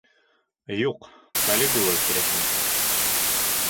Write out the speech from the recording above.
Юҡ, Калигула, киреһенсә.